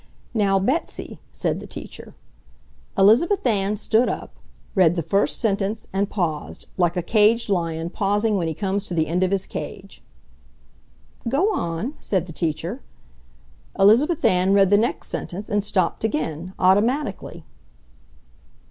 "Now Betsy," said the teacher. Elizabeth Ann stood up, read the first sentence, and paused, like a caged lion pausing when he comes to the end of his cage. "Go on," said the teacher. Elizabeth Ann read the next sentence and stopped again, automatically.